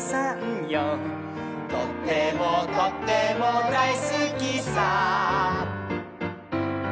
「とってもとってもだいすきさ」